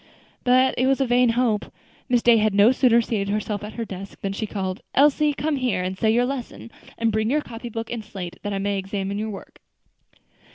But it was a vain hope. Miss Day had no sooner seated herself at her desk, than she called, "Elsie, come here and say that lesson; and bring your copybook and slate, that I may examine your work."